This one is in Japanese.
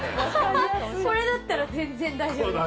これだったら全然大丈夫。